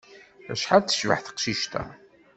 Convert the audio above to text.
Acḥal tecbeḥ teqcict-a!